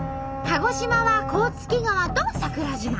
鹿児島は甲突川と桜島。